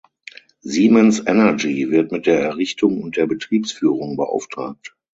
Siemens Energy wird mit der Errichtung und der Betriebsführung beauftragt.